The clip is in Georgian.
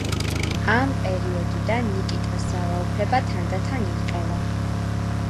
ამ პერიოდიდან ნიკიტას ძალაუფლება თანდათან ირყევა.